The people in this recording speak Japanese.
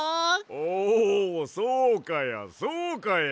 おおそうかやそうかや。